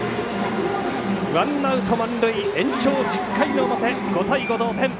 ワンアウト、満塁延長１０回の表、５対５同点。